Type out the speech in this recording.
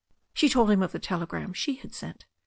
She told him of the telegram she had sent.